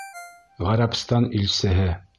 Ғәрәбстан илсеһе!